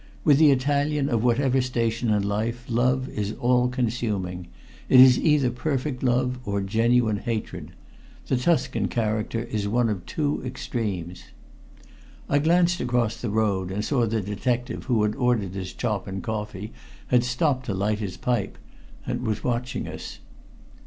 With the Italian of whatever station in life, love is all consuming it is either perfect love or genuine hatred. The Tuscan character is one of two extremes. I glanced across the road, and saw that the detective who had ordered his chop and coffee had stopped to light his pipe and was watching us.